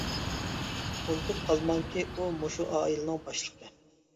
ئۇنتۇپ قالماڭكى، ئۇ مۇشۇ ئائىلىنىڭ باشلىقى.